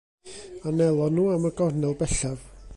Anelon nhw am y gornel bellaf.